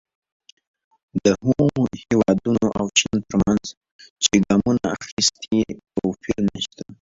د هغو هېوادونو او چین ترمنځ چې ګامونه اخیستي توپیر نه شته.